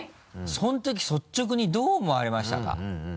そのとき率直にどう思われましたか？